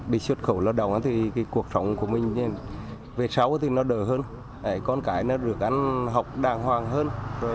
đi xuất khẩu lao động thì cuộc sống của mình về sáu thì nó đời hơn con cái nó được ăn học đàng hoàng hơn